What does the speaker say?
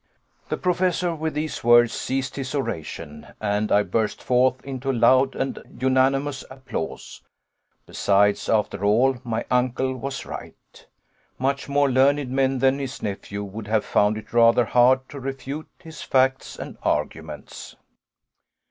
The Professor with these words ceased his oration, and I burst forth into loud and "unanimous" applause. Besides, after all, my uncle was right. Much more learned men than his nephew would have found it rather hard to refute his facts and arguments.